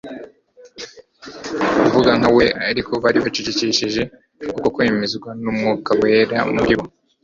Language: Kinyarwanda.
uvuga nka we ». Ariko bari bacecekesheje uko kwemezwa n'Umwuka wera muri bo.